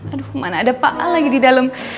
aduh mana ada pak a lagi di dalam